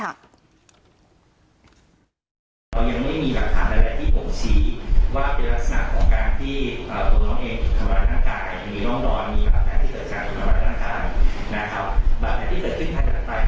เรายังไม่มีแบบฐานอะไรที่ผมชี้ว่าเป็นลักษณะของการที่เอ่อตัวน้องเองถูกกำลังนั่งกาย